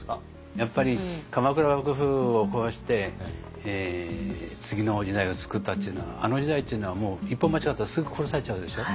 やっぱり鎌倉幕府を壊して次の時代を作ったっていうのはあの時代っていうのは一歩間違ったらすぐ殺されちゃうでしょ？